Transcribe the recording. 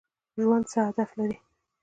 ژوند څه هدف لري؟